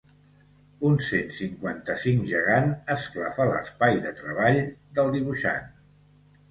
Un cent cinquanta-cinc gegant esclafa l’espai de treball del dibuixant.